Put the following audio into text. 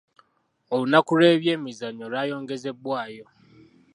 Olunaku lw'ebyemizannyo lwayongezebwayo.